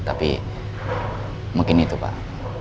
tapi mungkin itu pak